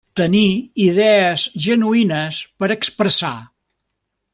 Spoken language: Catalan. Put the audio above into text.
Tenir idees genuïnes per expressar.